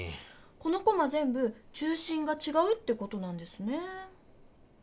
このコマぜんぶ中心がちがうってことなんですね。